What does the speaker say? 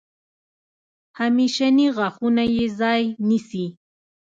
همیشني غاښونه یې ځای نیسي.